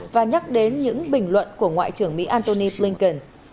và nhắc đến những bình luận của ngoại trưởng mỹ antony blinken